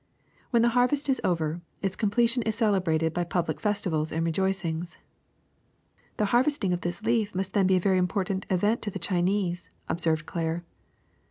When the harvest is over, its completion is celebrated by public festivals and rejoicings." *^The harvesting of this leaf must then be a very important event to the Chinese," observed Claire.